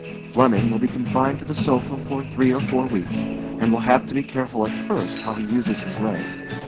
Flemming will be confined to the sofa for three or four weeks, and will have to be careful at first how he uses his leg.